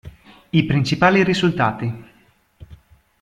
I principali risultati